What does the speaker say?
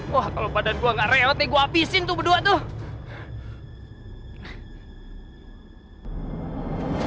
wah kalau badan gue gak rewet nih gue habisin tuh berdua tuh